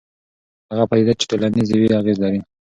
هغه پدیده چې ټولنیز وي اغېز لري.